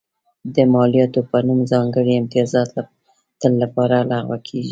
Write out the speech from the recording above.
د مالیاتو په نوم ځانګړي امتیازات تل لپاره لغوه کېږي.